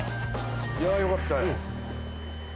いやぁよかったよ。